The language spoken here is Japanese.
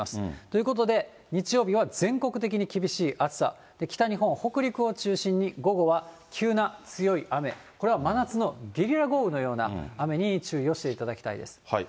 ということで、日曜日は全国的に厳しい暑さ、北日本、北陸を中心に午後は急な強い雨、これは真夏のゲリラ豪雨のような雨に注意をしていただきたいです。